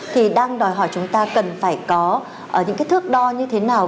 thì đang đòi hỏi chúng ta cần phải có những cái thước đo như thế nào